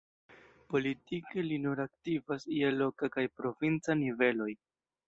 Politike li nur aktivas je loka kaj provinca niveloj.